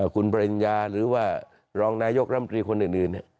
คุณปริญญาหรือว่ารองนายกรรมตรีคนอื่น